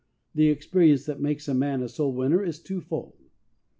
The experience that makes a man a soul winner is two fold.